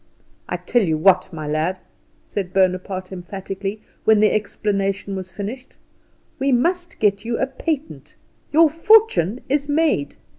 "I tell you what, my lad," said Bonaparte emphatically, when the explanation was finished, "we must get you a patent. Your fortune is made.